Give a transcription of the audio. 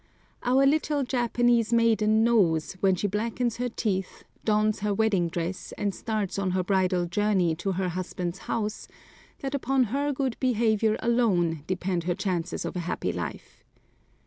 [*76] Our little Japanese maiden knows, when she blackens her teeth, dons her wedding dress, and starts on her bridal journey to her husband's house, that upon her good behavior alone depend her chances of a happy life.